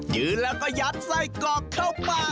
ยืนแล้วก็หยัดใส่กรอกเข้าไป